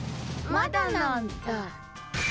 まだなんだ。